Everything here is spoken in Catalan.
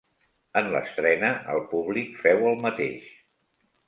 En l'estrena el públic féu el mateix.